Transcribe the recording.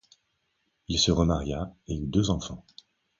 Il se remaria et eut deux enfants.